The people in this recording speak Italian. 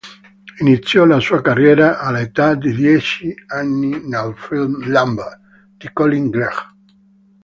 Iniziò la sua carriera all’età di dieci anni nel film "Lamb" di Colin Gregg.